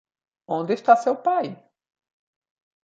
Onde está seu pai?